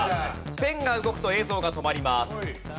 ペンが動くと映像が止まります。